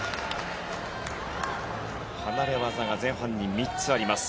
離れ技が前半に３つあります。